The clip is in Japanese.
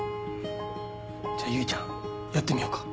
じゃあ結ちゃんやってみようか。